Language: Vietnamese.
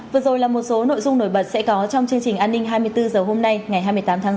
vừa rồi là một số nội dung nổi bật sẽ có trong chương trình an ninh hai mươi bốn h hôm nay ngày hai mươi tám tháng sáu